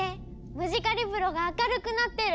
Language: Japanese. ムジカリブロが明るくなってる！